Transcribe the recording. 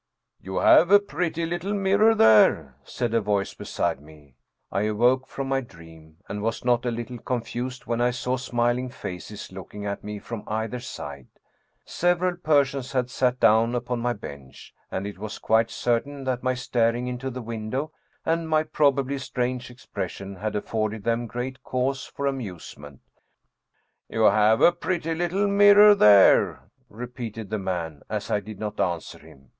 " You have a pretty little mirror there," said a voice be side me. I awoke from my dream, and was not a little con fused when I saw smiling faces looking at me from either side. Several persons had sat down upon my bench, and it was quite certain that my staring into the window, and my probably strange expression, had afforded them great cause for amusement. " You have a pretty little mirror there," repeated the man, as I did not answer him.